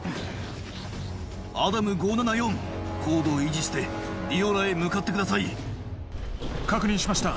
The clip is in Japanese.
アダム５７４高度を維持してディオラへ向かってください確認しました